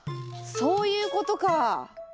そういうことか。